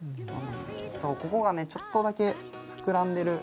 そうここがねちょっとだけ膨らんでる。